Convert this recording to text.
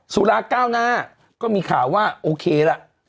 สุราเก้าหน้าก็มีข่าวว่าโอเคล่ะ